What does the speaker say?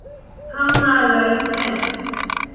ہم نالائق ہیے